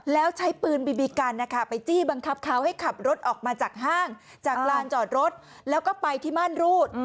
แล้วใช้ปืนบีบีกันไปจี้บังคับเขาให้ขับรถออกมาจากห้างจากลานจอดรถแล้วก็ไปที่ม่านรูด